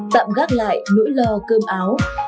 tạm gác lại nỗi lo cơm áo